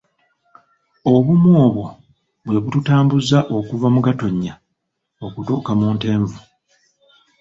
Obumu obwo bwe bututambuzza okuva mu Gatonnya okutuuka mu Ntenvu.